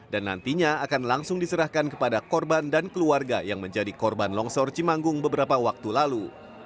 dan nantinya akan langsung diserahkan kepada korban dan keluarga yang menjadi korban longsor cimanggung beberapa waktu lalu